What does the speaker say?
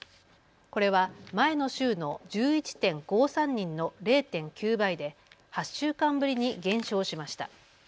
これは前の週の１１．５３人の０．９倍で８週間ぶりに減少しました。